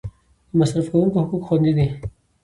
د مصرف کونکو حقوق خوندي دي؟